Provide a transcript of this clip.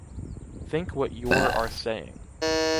Think what your are saying.